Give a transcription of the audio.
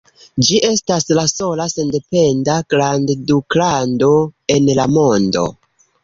Ĝi estas la sola sendependa grandduklando en la mondo.